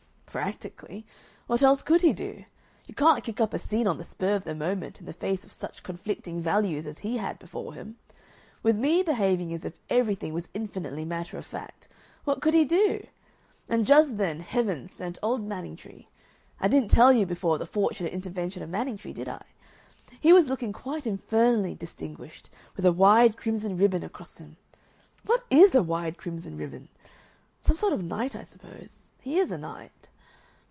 "Practically. What else could he do? You can't kick up a scene on the spur of the moment in the face of such conflicting values as he had before him. With me behaving as if everything was infinitely matter of fact, what could he do? And just then Heaven sent old Manningtree I didn't tell you before of the fortunate intervention of Manningtree, did I? He was looking quite infernally distinguished, with a wide crimson ribbon across him what IS a wide crimson ribbon? Some sort of knight, I suppose. He is a knight.